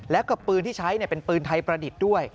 แล้วก็ปืนที่ใช้เป็นปืนไทยประดิษฐ์ด้วย